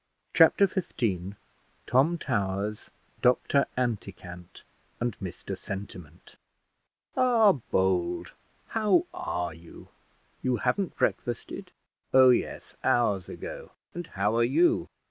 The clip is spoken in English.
Chapter XV TOM TOWERS, DR ANTICANT, AND MR SENTIMENT "Ah, Bold! how are you? You haven't breakfasted?" "Oh yes, hours ago. And how are you?"